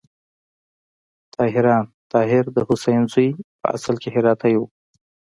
طاهریان: طاهر د حسین زوی په اصل کې هراتی و.